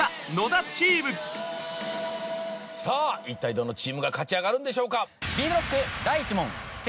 一体どのチームが勝ち上がるんでしょうか？